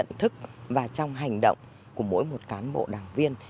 trong kiểm thức và trong hành động của mỗi một cán bộ đảng viên